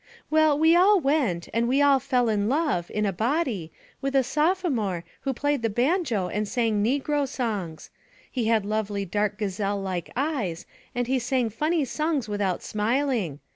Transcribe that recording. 'Well, we all went, and we all fell in love in a body with a sophomore who played the banjo and sang negro songs. He had lovely dark gazelle like eyes, and he sang funny songs without smiling.